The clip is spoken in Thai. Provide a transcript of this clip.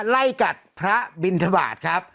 ไล่กัดพระบินทบาทครับ